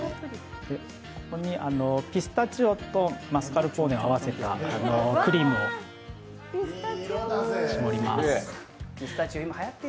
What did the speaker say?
ここにピスタチオとマスカルポーネを合わせたクリームを絞ります。